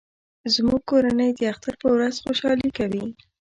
زموږ کورنۍ د اختر په ورځ خوشحالي کوي